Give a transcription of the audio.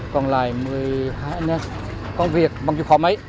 còn lại một mươi hai con việc bằng chục khóa máy